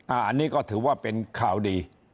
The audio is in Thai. อันนี้ก็ถือว่าเป็นข่าวดี